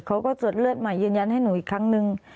เขาก็ตรวจเลือดใหม่ยืนยันให้หนูอีกครั้งหนึ่ง